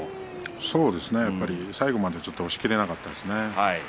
そうですね、最後まで押しきれなかったですね。